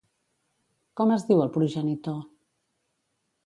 Com es diu el progenitor?